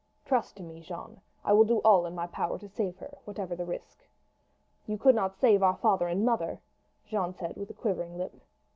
Trust to me, Jeanne; I will do all in my power to save her, whatever the risk." "You could not save our father and mother," Jeanne said with a quivering lip.